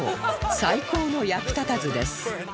最高の役立たずです